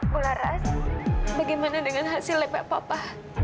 bularas bagaimana dengan hasil lepek papa